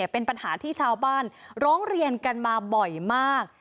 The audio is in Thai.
เป็นปัญหาที่ชาวบ้านร้องเรียนกันมาบ่อยมาก